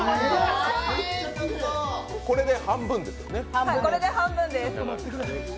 これで半分ですよね。